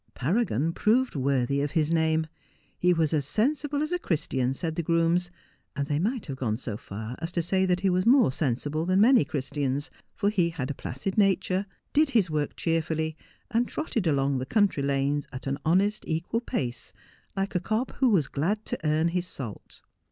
Paragon proved worthy of his name. He was as sensible as a Christian, said the grooms ; and they might have gone so far as to say that he was more sensible than many Christians ; for he had a placid nature, did his work cheerfully, and trotted along the country lanes at an honest equal pace, like a cob who was glad to earn his sal t.